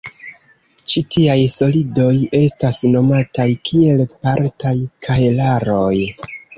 Ĉi tiaj "solidoj" estas nomataj kiel partaj kahelaroj.